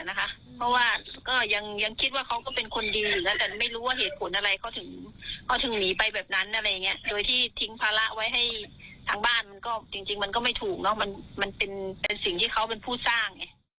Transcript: นางบ้านจริงก็ไม่ถูกเนี่ยก็เป็นสิ่งที่เขาเป็นผู้สร้าง